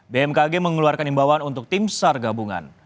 bmkg mengeluarkan imbauan untuk tim sar gabungan